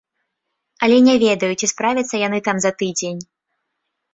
Але не ведаю, ці справяцца яны там за тыдзень.